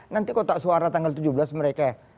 nanti kok tak suara tanggal tujuh belas mereka